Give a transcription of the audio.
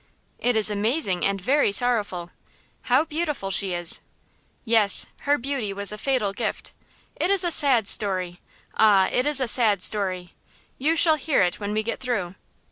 "It is amazing and very sorrowful! How beautiful she is!" "Yes; her beauty was a fatal gift. It is a sad story. Ah, it is a sad story. You shall hear it when we get through."